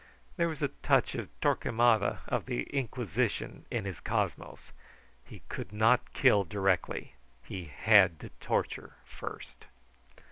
There was a touch of Torquemada of the Inquisition in his cosmos. He could not kill directly; he had to torture first.